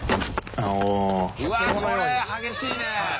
うわあこれ激しいね。